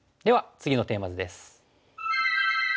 次のテーマ図です。